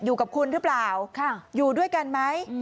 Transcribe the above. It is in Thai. อยู่กับคุณหรือเปล่าอยู่ด้วยกันไหม